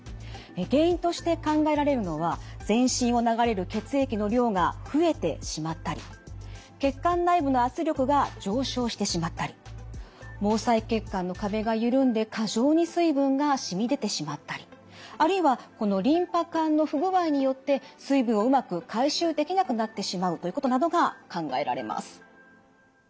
原因として考えられるのは全身を流れる血液の量が増えてしまったり血管内部の圧力が上昇してしまったり毛細血管の壁が緩んで過剰に水分がしみ出てしまったりあるいはこのリンパ管の不具合によって水分をうまく回収できなくなってしまうということなどが考えられます。